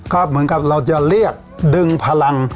ก็เหมือนกับเราจะเรียกดึงพลัง